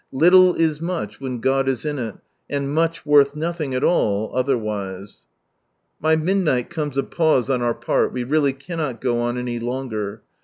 "Little is much when God is in it," and niuth, worth nothing at all, otherwise. By midnight comes a pause on our part, we really cannot go on any longer.